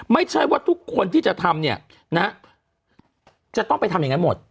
ไม่ใช่ว่าทุกคนที่จะทำเนี่ยนะจะต้องไปทำอย่างนั้นหมด